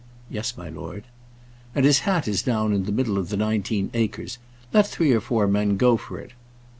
"Yes, my lord." "And his hat is down in the middle of the nineteen acres. Let three or four men go for it."